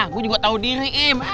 gua juga tau diri im